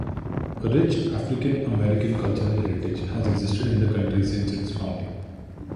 A rich African American cultural heritage has existed in the county since its founding.